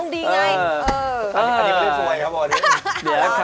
ริชาวรีซอลค่ะ